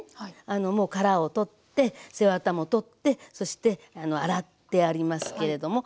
あのもう殻を取って背ワタも取ってそして洗ってありますけれども。